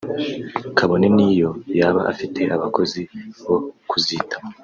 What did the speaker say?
kabone niyo yaba afite abakozi bo kuzitaho